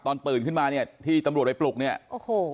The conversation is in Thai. ตื่นขึ้นมาเนี่ยที่ตำรวจไปปลุกเนี่ยโอ้โห